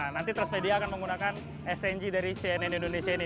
nanti transmedia akan menggunakan sng dari cnn indonesia ini